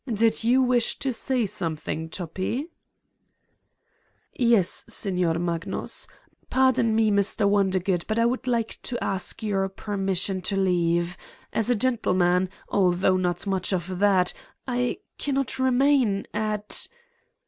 Did you wish to say something, Toppi?" "Yes, Signor Magnus. Pardon me, Mr. Won dergood, but I would like to ask your permission to leave. As a gentleman, although not much of that, I ... cannot remain ... at